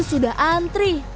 sate sudah antri